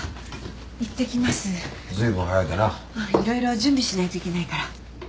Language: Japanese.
色々準備しないといけないから。